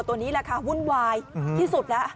ตัวนี้แหละค่ะวุ่นวายที่สุดแล้ว